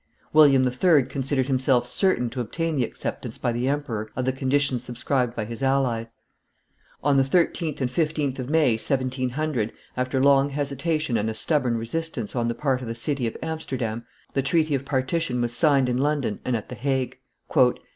William III. considered himself certain to obtain the acceptance by the emperor of the conditions subscribed by his allies. On the 13th and 15th of May, 1700, after long hesitation and a stubborn resistance on the part of the city of Amsterdam, the treaty of partition was signed in London and at the Hague.